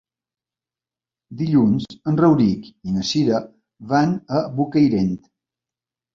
Dilluns en Rauric i na Cira van a Bocairent.